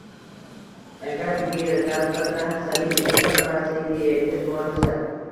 Agar u yerdan bir lahzaning ichida Fransiyaga yetib borilsa